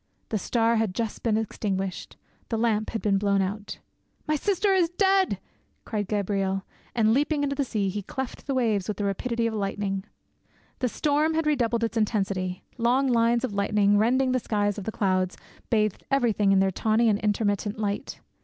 The star had just been extinguished; the lamp had been blown out. "My sister is dead!" cried Gabriel and, leaping into the sea, he cleft the waves with the rapidity of lightning. The storm had redoubled its intensity; long lines of lightning, rending the sides of the clouds, bathed everything in their tawny and intermittent light.